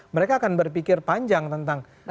mereka akan berpikir panjang tentang